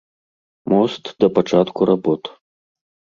Мост да пачатку работ.